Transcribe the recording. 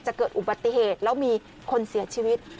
เกิดอุบัติเหตุแล้วมีคนเสียชีวิต